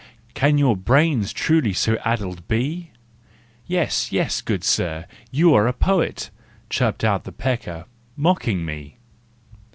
Can your brains truly so addled be ? "Yes, yes, good sir, you are a poet," Chirped out the pecker, mocking me.